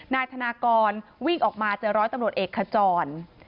นายธนากรวิ่งออกมาเจอร้อยตำรวจเอกขจร